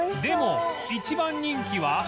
でも一番人気は